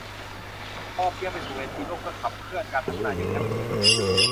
พอเพียงไปสู่เวทีโลกเพื่อขับเคลื่อนการพัฒนาอย่างยั่งยืน